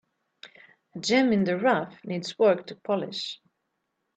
A gem in the rough needs work to polish.